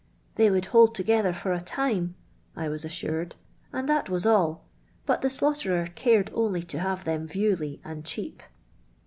"They would hold together for a time«" I was assured, " and that was all ; but the slaughterer cared only to have them viewly and cheap."